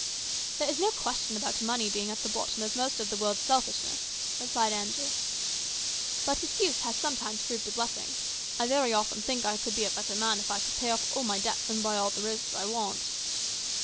" There is no question about money being at the bottom of most of the world's selfishness," replied Andrew. " But its use has sometimes proved a blessing. I very often think I could be a better man if I could pay off all my debts and buy all the roses I want."